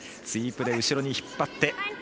スイープで後ろに引っ張る。